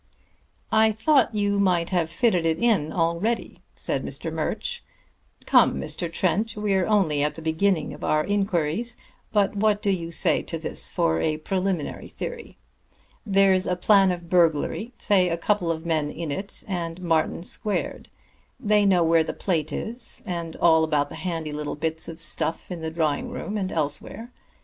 "I thought you might have fitted it in already," said Mr. Murch. "Come, Mr. Trent, we're only at the beginning of our inquiries, but what do you say to this for a preliminary theory? There's a plan of burglary say a couple of men in it and Martin squared. They know where the plate is, and all about the handy little bits of stuff in the drawing room and elsewhere.